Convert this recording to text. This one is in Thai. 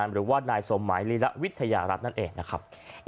หรือว่านายสมหมายลีระวิทยารัฐนั่นเองนะครับ